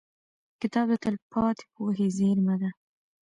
• کتاب د تلپاتې پوهې زېرمه ده.